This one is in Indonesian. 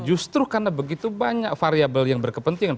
justru karena begitu banyak variable yang berkepentingan